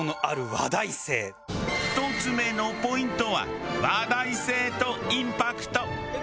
１つ目のポイントは話題性とインパクト。